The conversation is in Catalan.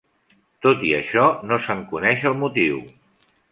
Tot i això, no se"n coneix el motiu.